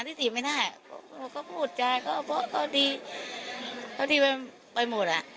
ที่สิ่งไม่ได้เขาพูดจ้ะเพราะตอนที่ไปหมด